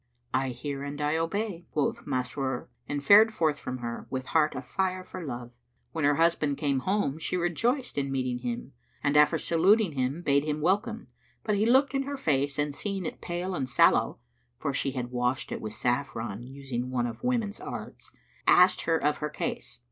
"I hear and I obey," quoth Masrur and fared forth from her, with heart a fire for love. When her husband came home, she rejoiced in meeting him and after saluting him bade him welcome; but he looked in her face and seeing it pale and sallow (for she had washed it with saffron, using one of women's arts), asked her of her case.